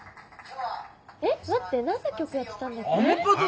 えっ待って何の曲やってたんだっけ？